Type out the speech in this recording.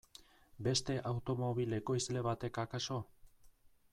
Beste automobil ekoizle batek akaso?